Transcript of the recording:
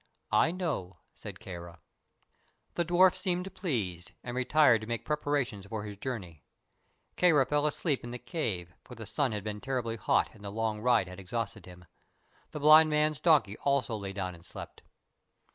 "I know," said Kāra. The dwarf seemed pleased, and retired to make preparations for his journey. Kāra fell asleep in the cave, for the sun had been terribly hot and the long ride had exhausted him. The blind man's donkey also lay down and slept.